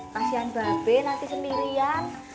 pasian mbak be nanti sendirian